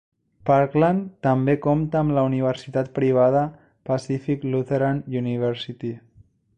Parkland també compta amb la universitat privada Pacific Lutheran University.